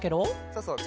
そうそう。